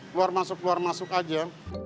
keluar masuk keluar masuk aja